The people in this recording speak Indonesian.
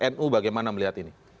nu bagaimana melihat ini